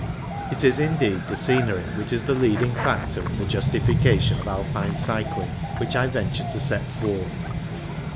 It is indeed the scenery which is the leading factor in the justification of Alpine cycling which I venture to set forth.